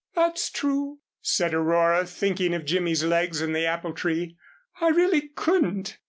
"That's true," said Aurora, thinking of Jimmy's legs in the apple tree, "I really couldn't."